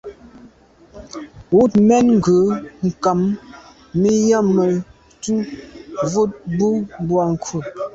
Wut mèn ghù nkam mi yàme tu, wut, mbu boa nku.